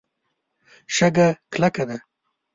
شګه کلکه ده.